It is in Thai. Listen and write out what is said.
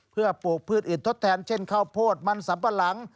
เพื่อปลูกพืชอื่นทดแทนเช่นข้าวโพดมันสัมปะหลัง